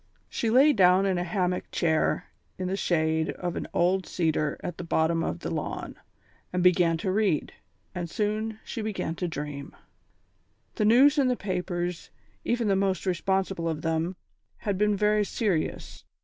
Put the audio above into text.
She lay down in a hammock chair in the shade of a fine old cedar at the bottom of the lawn, and began to read, and soon she began to dream. The news in the papers, even the most responsible of them, had been very serious.